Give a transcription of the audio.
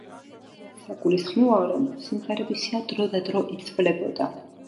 საგულისხმოა, რომ სიმღერების სია დრო და დრო იცვლებოდა.